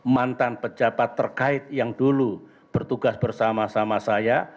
mantan pejabat terkait yang dulu bertugas bersama sama saya